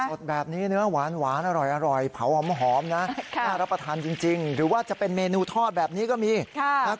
สดแบบนี้เนื้อหวานหวานอร่อยอร่อยเผาหอมหอมนะค่ะ